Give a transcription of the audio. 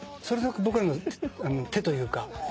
それが僕らの手というか。